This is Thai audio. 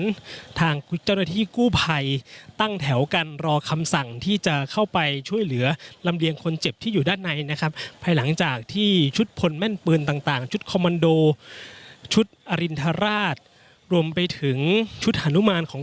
นี่เนี่ยเป็นภาพของทางตำรวจทางชุดสืบสวนทางจุดเจ้าหน้าที่กู้ไผ่ตั้งแถวกันรอคำสั่งที่จะเข้าไปช่วยเหลือรำเรียงคนเจ็บที่อยู่ด้านไหนนะครับภายหลังจากที่ชุดพลแม่นปืนต่างจุดคอมมันโดชุดอรินทราชรวมไปถึงชุดหนูมาลของ